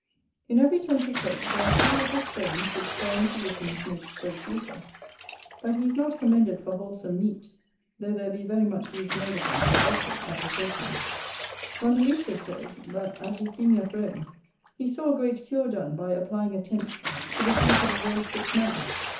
In every Tench's head there are two little stones which foreign physicians make great use of, but he is not commended for wholesome meat, though there be very much use made of them for outward applications. Rondeletius says, that at his being at Rome, he saw a great cure done by applying a Tench to the feet of a very sick man.